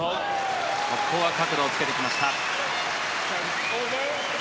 ここは角度をつけてきました。